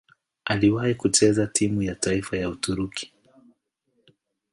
Aliwahi kucheza timu ya taifa ya Uturuki.